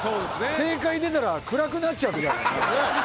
正解出たら暗くなっちゃう時あるよね